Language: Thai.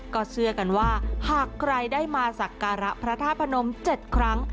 ก็เชื่อกันว่าหากใครได้มาสักการะพระธาตุพนม๗ครั้ง